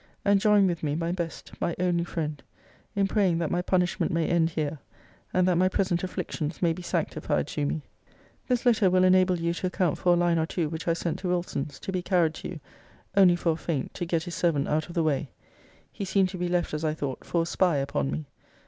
And join with me, my best, my only friend, in praying, that my punishment may end here; and that my present afflictions may be sanctified to me. This letter will enable you to account for a line or two, which I sent to Wilson's, to be carried to you, only for a feint, to get his servant out of the way. He seemed to be left, as I thought, for a spy upon me.